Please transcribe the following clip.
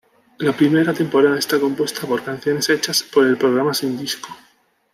La primera temporada está compuesta por canciones hechas por el programa sin disco.